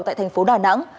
tại thành phố đà nẵng